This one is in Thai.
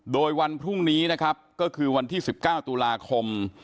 โดยวันพรุ่งนี้นะครับก็คือวันที่๑๙ตุลาคม